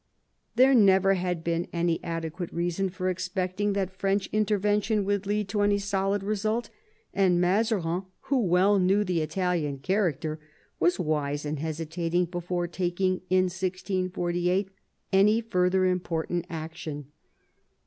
There never had been any adequate reason for ex pecting that French intervention would lead to any solid result, and Mazarin, who well knew the Italian character, was wise in hesitating before taking, in 1648, any further important action.